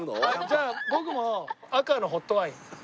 じゃあ僕も赤のホットワイン。